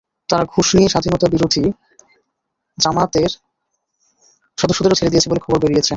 তারা ঘুষ নিয়ে স্বাধীনতাবিরোধী জামায়াতের সদস্যদেরও ছেড়ে দিয়েছে বলে খবর বেরিয়েছে।